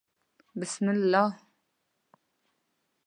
_بسم الله.